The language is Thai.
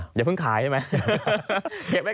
เดี๋ยวเพิ่งขายใช่ไหม